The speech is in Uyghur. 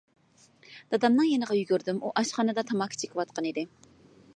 دادامنىڭ يېنىغا يۈگۈردۈم، ئۇ ئاشخانىدا تاماكا چېكىۋاتقان ئىكەن.